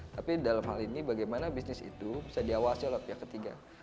tapi dalam hal ini bagaimana bisnis itu bisa diawasi oleh pihak ketiga